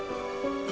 eros jalan dulu